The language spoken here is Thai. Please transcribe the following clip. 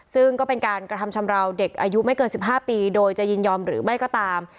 ซึ่งก็เป็นการกระทำชำราวเด็กอายุไม่เกิน๑๕ปีโดยจะยินยอมหรือไม่ก็ตาม